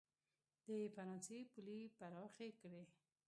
د فرانسې پولې پراخې کړي.